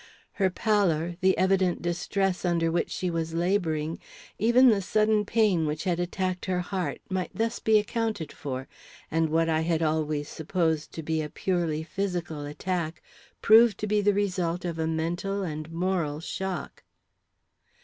Her pallor, the evident distress under which she was laboring, even the sudden pain which had attacked her heart, might thus be accounted for, and what I had always supposed to be a purely physical attack prove to be the result of a mental and moral shock.